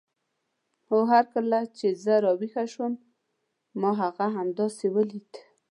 هو کله چې زه راویښه شوم ما هغه همداسې ولید.